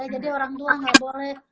jadi orang tua nggak boleh